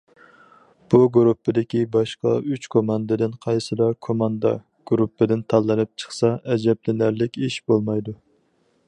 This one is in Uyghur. بۇ گۇرۇپپىدىكى باشقا ئۈچ كوماندىدىن قايسىلا كوماندا گۇرۇپپىدىن تاللىنىپ چىقسا ئەجەبلىنەرلىك ئىش بولمايدۇ.